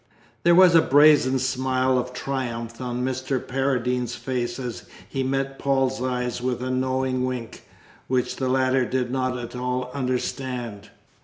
There was a brazen smile of triumph on Mr. Paradine's face as he met Paul's eyes with a knowing wink, which the latter did not at all understand.